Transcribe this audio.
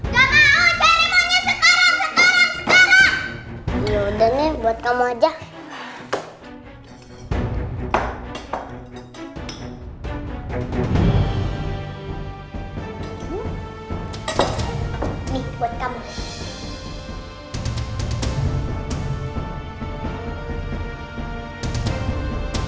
gak mau cari monyet sekarang sekarang sekarang